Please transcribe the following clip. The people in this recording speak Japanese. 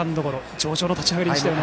上々の立ち上がりでしたね。